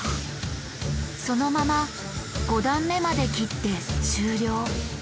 そのまま５段目まで切って終了。